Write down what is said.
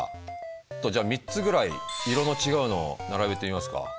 あとじゃあ３つぐらい色の違うのを並べてみますか。